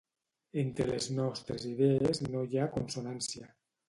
Entre les nostres idees no hi ha consonància.